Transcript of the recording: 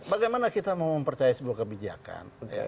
bagaimana kita mau mempercaya sebuah kebijakan